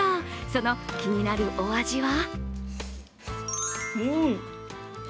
その気になるお味は？